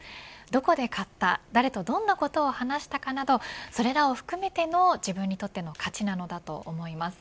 どこで買った、誰とどんなことを話したかなどそれらを含めての自分にとっての価値なのだと思います。